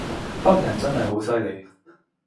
北人真係好犀利